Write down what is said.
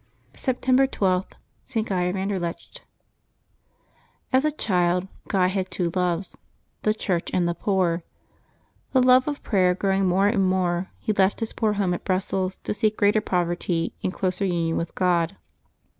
September 12.— ST. GUY OF ANDERLECHT. Hs a child Guy had two loves, the Church and the poor. The love of prayer growing more and more, he left his poor home at Brussels to seek greater poverty and closer union with God.